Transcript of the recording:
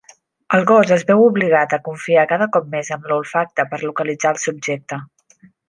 El gos es veu obligat a confiar cada cop més en l'olfacte per localitzar el subjecte.